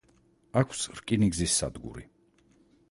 აქვს რკინიგზის სადგური.